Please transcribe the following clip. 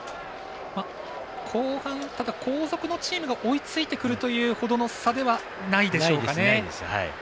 後半、後続のチームが追いついてくるというほどの差ではないでしょうかね。